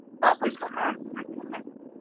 mia tano na arobaini na nne